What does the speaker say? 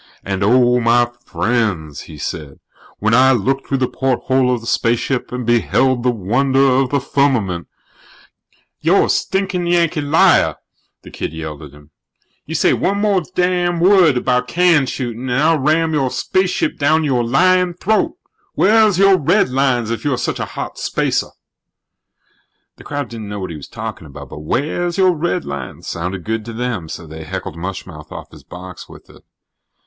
"And, oh, my friends," he said, "when I looked through the porthole of the spaceship and beheld the wonder of the Firmament " "You're a stinkin' Yankee liar!" the kid yelled at him. "You say one damn more word about can shootin' and I'll ram your spaceship down your lyin' throat! Wheah's your redlines if you're such a hot spacer?" The crowd didn't know what he was talking about, but "wheah's your redlines" sounded good to them, so they heckled mush mouth off his box with it.